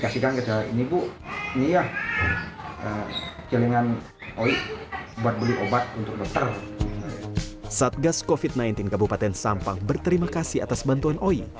satgas covid sembilan belas kabupaten sampang berterima kasih atas bantuan oi